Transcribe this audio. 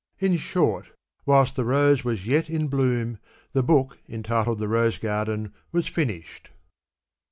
In short, whilst the rose was yet in bloom, the book entitled the Rose Garden was finished.